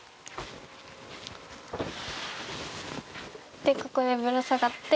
でここでぶら下がって。